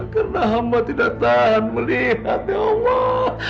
karena hamba tidak tahan melihat ya allah